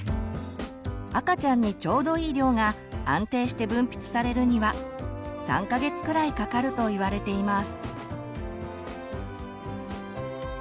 赤ちゃんにちょうどいい量が安定して分泌されるには３か月くらいかかるといわれています。